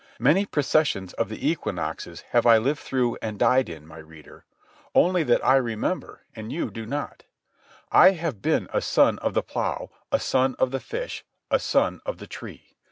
Many processions of the equinoxes have I lived through and died in, my reader ... only that I remember and that you do not. I have been a Son of the Plough, a Son of the Fish, a Son of the Tree.